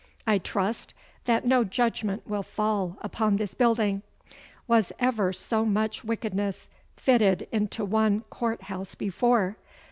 'I trust that no judgment will fall upon this building! Was ever so much wickedness fitted into one court house before?